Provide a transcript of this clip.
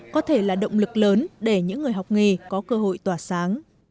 có thể là động lực lớn để những người học nghề có cơ hội tỏa sáng